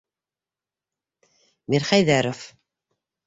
Мирхәйҙәров.